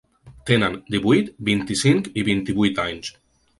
Tenen divuit, vint-i-cinc i vint-i-vuit anys.